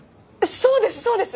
そうですそうです！